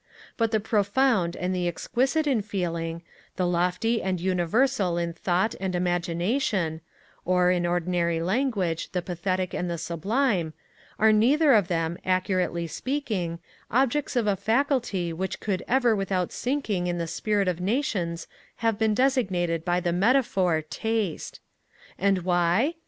But the profound and the exquisite in feeling, the lofty and universal in thought and imagination; or, in ordinary language, the pathetic and the sublime; are neither of them, accurately speaking, objects of a faculty which could ever without a sinking in the spirit of Nations have been designated by the metaphor Taste. And why?